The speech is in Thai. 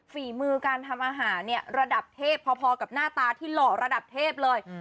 ฝีมือการทำอาหารเนี่ยระดับเทพพอกับหน้าตาที่หล่อระดับเทพเลย